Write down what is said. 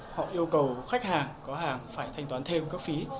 họ yêu cầu khách hàng có hàng phải thanh toán thêm các phí